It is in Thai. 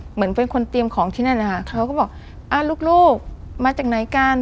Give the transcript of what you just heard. เหมือนเป็นคนเตรียมของที่นั่นนะคะเขาก็บอกอ่าลูกมาจากไหนกัน